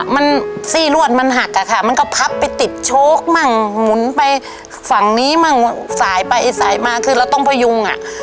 มันซี่รวดมันหักอะค่ะมันก็พับไปติดโชคมั่งหมุนไปฝั่งนี้มั่งสายไปสายมาคือเราต้องพยุงอ่ะ